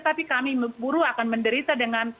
tapi kami buruh akan menderita dengan